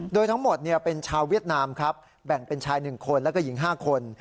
โดยทั้งหมดเป็นชาวเวียดนามครับแบ่งเป็นชาย๑คนแล้วก็หญิง๕คน